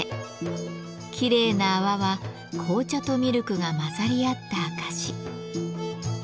きれいな泡は紅茶とミルクが混ざり合った証し。